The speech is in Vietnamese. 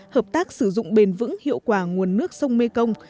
hợp tác sử dụng bền vững hiệu quả nguồn nước sông mekong